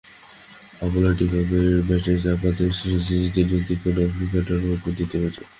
আমলা-ডি ককের ব্যাটে চাপা দিয়ে সিরিজ জিতে নিয়েছে দক্ষিণ আফ্রিকা ডারবানের দ্বিতীয় ম্যাচেই।